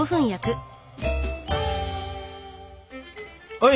はい！